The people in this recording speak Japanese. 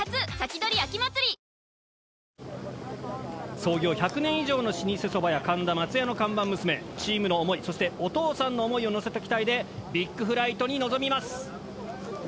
創業１００年以上の老舗蕎麦屋神田まつやの看板娘チームの想いそしてお父さんの想いをのせた機体でビッグフライトに臨みます。